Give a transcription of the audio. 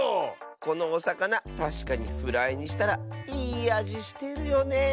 このおさかなたしかにフライにしたらいいあじしてるよねえ。